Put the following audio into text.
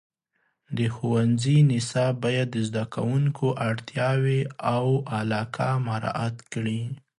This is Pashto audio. د ښوونځي نصاب باید د زده کوونکو اړتیاوې او علاقه مراعات کړي.